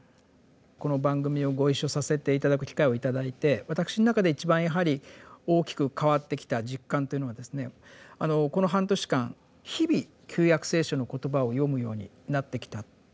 この番組をご一緒させて頂く機会を頂いて私の中で一番やはり大きく変わってきた実感というのはこの半年間日々「旧約聖書」の言葉を読むようになってきた。